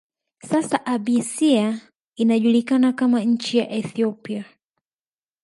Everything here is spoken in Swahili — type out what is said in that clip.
Sasa Abysia inajulikana kama nchi ya Ethiopia